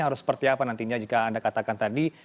harus seperti apa nantinya jika anda katakan tadi